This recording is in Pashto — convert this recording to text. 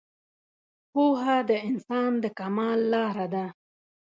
پوهه د انسان د کمال لاره ده